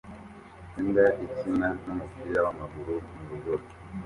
Imbwa ikina numupira wamaguru mu rubura